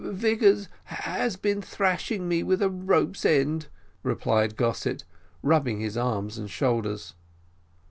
"Vigors has been thrashing me with a rope's end," replied Gossett, rubbing his arm and shoulders.